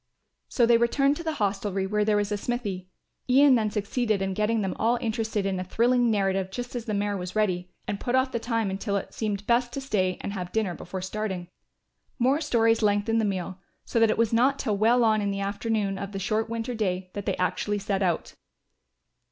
So they returned to the hostelry where there was a smithy. Ian then succeeded in getting them all interested in a thrilling narrative just as the mare was ready, and put off the time until it seemed best to stay and have dinner before starting. More stories lengthened the meal, so that it was not till well on in the afternoon of the short winter day that they actually set out.